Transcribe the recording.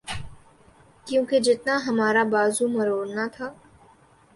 کیونکہ جتنا ہمارا بازو مروڑنا تھا۔